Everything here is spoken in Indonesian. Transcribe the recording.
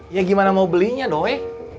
ya gimana mau belinya doe